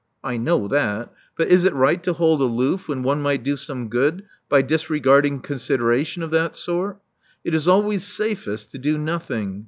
'*I know that. But is it right to hold aloof when one might do some good by disregarding consideration of that sort? It is always safest to do nothing.